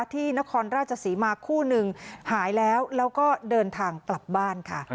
นครราชศรีมาคู่หนึ่งหายแล้วแล้วก็เดินทางกลับบ้านค่ะ